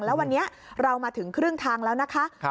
แล้ววันนี้เรามาถึงครึ่งทางแล้วนะคะ